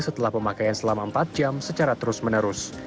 setelah pemakaian selama empat jam secara terus menerus